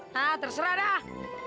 hah terserah dah